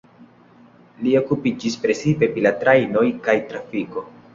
Li okupiĝis precipe pri la trajnoj kaj trafiko.